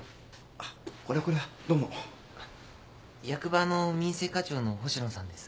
あっ役場の民生課長の星野さんです。